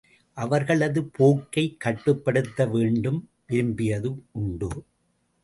அவர்களது போக்கை கட்டுப்படுத்த வேண்டும் விரும்பியதுண்டு.